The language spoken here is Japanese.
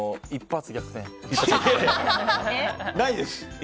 ないです。